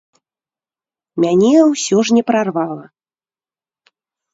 Мяне ўсё ж не прарвала.